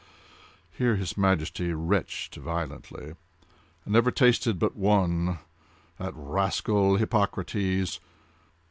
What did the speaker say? (Here his Majesty retched violently.) "I never tasted but one—that rascal Hippocrates!